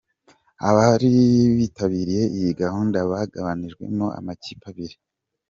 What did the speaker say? Abari bitabiriye iyi gahunda bagabanijwemo amakipe abiri.